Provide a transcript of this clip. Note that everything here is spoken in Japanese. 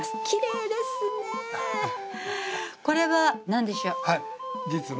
きれいですねこれは何でしょう？